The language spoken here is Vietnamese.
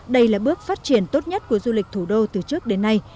đây là bước phát triển tốt nhất của du lịch thủ đô từ trước đến nay